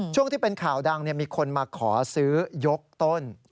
ช่วงที่เป็นข่าวดังมีคนมาขอซื้อยกต้น